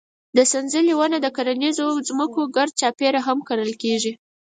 د سنځلې ونه د کرنیزو ځمکو ګرد چاپېره هم کرل کېږي.